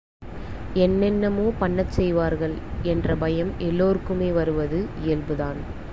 என்னென்னமோ பண்ணச் செய்வார்கள் என்ற பயம் எல்லோருக்குமே வருவது இயல்புதான்.